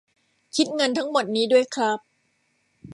คิดเงินทั้งหมดนี้ด้วยครับ